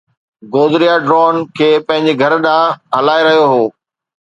گودريا ڍورن کي پنھنجي گھر ڏانھن ھلائي رھيو ھو